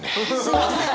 すみません！